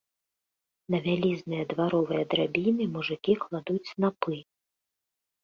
На вялізныя дваровыя драбіны мужыкі кладуць снапы.